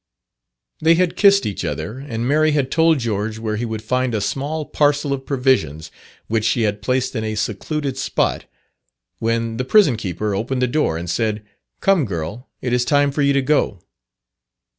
They had kissed each other, and Mary had told George where he would find a small parcel of provisions which she had placed in a secluded spot, when the prison keeper opened the door, and said, "Come, girl, it is time for you to go."